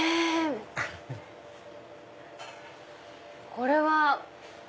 これは。